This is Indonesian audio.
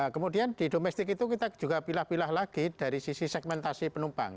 kemudian di domestik itu kita juga pilah pilah lagi dari sisi segmentasi penumpang